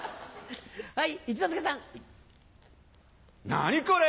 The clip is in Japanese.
何これ！